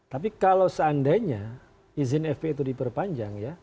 tapi kalau seandainya izin spi itu tidak diperpanjang yaudahlah